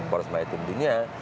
proses melayu timun dunia